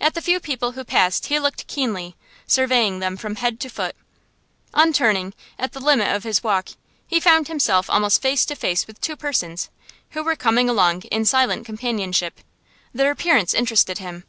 At the few people who passed he looked keenly, surveying them from head to foot. On turning, at the limit of his walk, he found himself almost face to face with two persons, who were coming along in silent companionship; their appearance interested him.